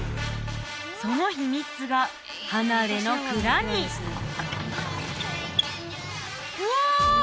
その秘密が離れの蔵にうわ！